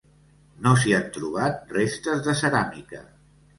No s'hi han trobat restes de ceràmica.